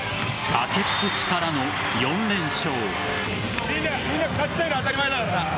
崖っぷちからの４連勝。